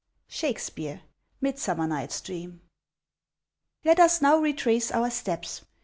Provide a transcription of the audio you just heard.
SHAKESPEARE: Midsummer Night's Drc/im. LET us now retrace our steps.